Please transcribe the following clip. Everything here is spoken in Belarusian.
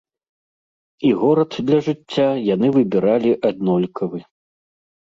І горад для жыцця яны выбіралі аднолькавы.